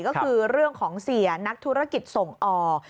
ก็คือเรื่องของเสียนักธุรกิจส่งออก